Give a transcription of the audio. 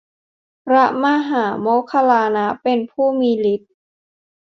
พระมหาโมคคัลลานะ เป็นผู้มีฤทธิ์